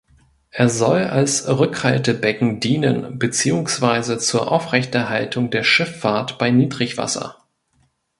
Er soll als Rückhaltebecken dienen beziehungsweise zur Aufrechterhaltung der Schifffahrt bei Niedrigwasser.